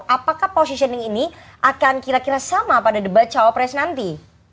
apakah positioning ini akan kira kira sama pada debat cowok pres nanti